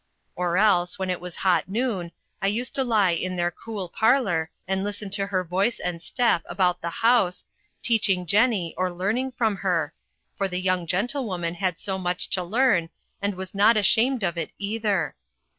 Or else, when it was hot noon, I used to lie in their cool parlour, and listen to her voice and step about the house, teaching Jenny, or learning from her for the young gentlewoman had much to learn, and was not ashamed of it either.